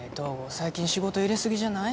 最近仕事入れすぎじゃない？